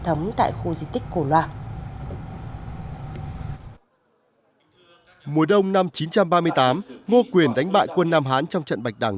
thắm tại khu di tích cổ loa mùa đông năm một nghìn chín trăm ba mươi tám ngô quyền đánh bại quân nam hán trong trận bạch đảng